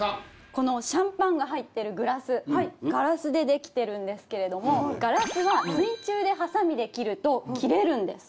このシャンパンが入ってるグラスガラスでできてるんですけれどもガラスは水中ではさみで切ると切れるんです。